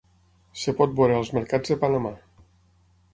Es pot veure als mercats de Panamà.